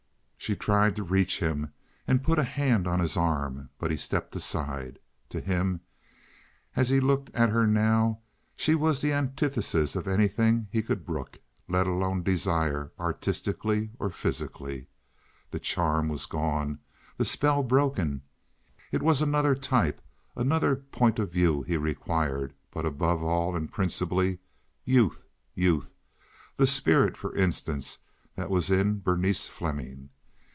She tried to reach him and put a hand on his arm, but he stepped aside. To him, as he looked at her now, she was the antithesis of anything he could brook, let alone desire artistically or physically. The charm was gone, the spell broken. It was another type, another point of view he required, but, above all and principally, youth, youth—the spirit, for instance, that was in Berenice Fleming.